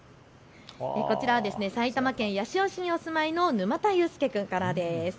こちらは埼玉県八潮市にお住まいのぬまたゆうすけ君からです。